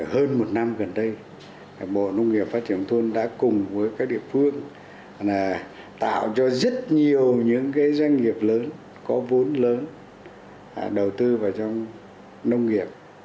hơn một năm gần đây bộ nông nghiệp phát triển thôn đã cùng với các địa phương tạo cho rất nhiều những doanh nghiệp lớn có vốn lớn đầu tư vào trong nông nghiệp